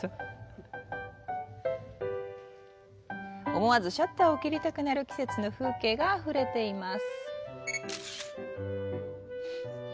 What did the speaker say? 思わずシャッターを切りたくなる季節の風景があふれています。